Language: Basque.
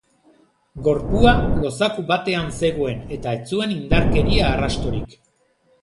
Gorpua lozaku batean zegoen eta ez zuen indarkeria arrastorik.